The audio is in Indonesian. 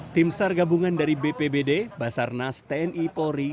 tim sargabungan dari bpbd basarnas tni polri